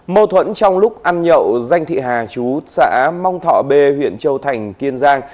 mâu thuẫn trong lúc ăn nhậu danh thị hà chú xã mong thọ b huyện châu thành kiên giang